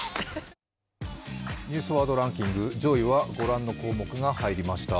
「ニュースワードランキング」上位はご覧の項目が入りました。